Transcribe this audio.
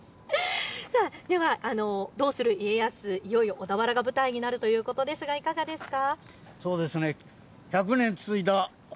どうする家康、いよいよ小田原が舞台ということですがいかがですか。